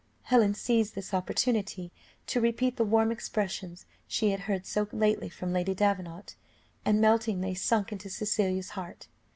Helen seized this opportunity to repeat the warm expressions she had heard so lately from Lady Davenant, and melting they sunk into Cecilia's heart.